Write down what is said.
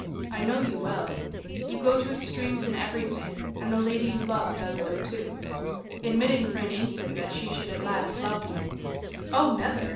I know you well; you go to extremes in everything, and the lady you love does so, too. Admitting for an instant that she should at last love you " "Oh, never!"